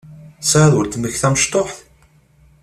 Tesɛiḍ weltma-k tamecṭuḥt?